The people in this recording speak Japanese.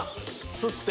吸って。